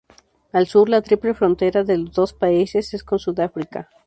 Al sur, la triple frontera de los dos países es con Sudáfrica.